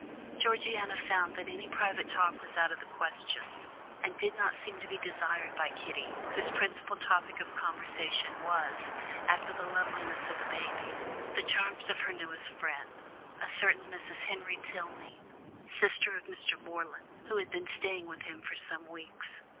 Georgiana found that any private talk was out of the question, and did not seem to be desired by Kitty, whose principal topic of conversation was, after the loveliness of the baby, the charms of her newest friend, a certain Mrs. Henry Tilney, sister of Mr. Morland, who had been staying with him for some weeks.